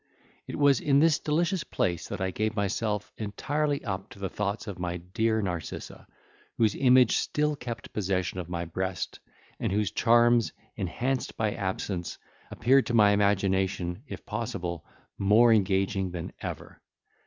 It was in this delicious place that I gave myself entirely up to the thoughts of my dear Narcissa, whose image still kept possession of my breast, and whose charms, enhanced by absence, appeared to my imagination, if possible, more engaging than ever!